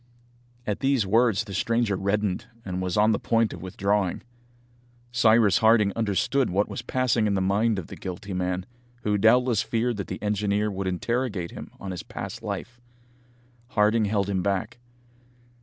At these words the stranger reddened, and was on the point of withdrawing. Cyrus Harding understood what was passing in the mind of the guilty man, who doubtless feared that the engineer would interrogate him on his past life. Harding held him back.